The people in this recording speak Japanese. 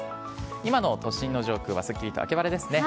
今の都心の上空はすっきりと秋晴れですね。